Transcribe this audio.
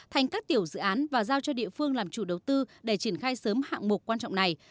thành các tiểu dự án và giao cho địa phương làm chủ đầu tư để triển khai sớm hạng mục quan trọng này